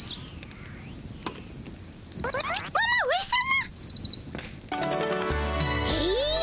ママ上さま！